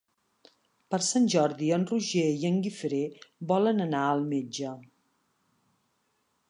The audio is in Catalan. Per Sant Jordi en Roger i en Guifré volen anar al metge.